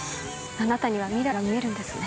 あなたには未来が見えるんですね。